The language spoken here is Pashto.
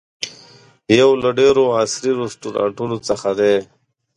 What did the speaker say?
یو له ډېرو عصري رسټورانټونو څخه دی.